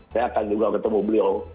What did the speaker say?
saya akan juga ketemu beliau